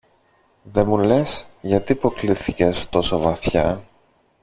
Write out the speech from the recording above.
Δε μου λες, γιατί υποκλίθηκες τόσο βαθιά